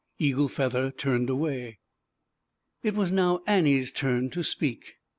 Eagle Feather turned away, t was now Jennie's tufflt to .speak.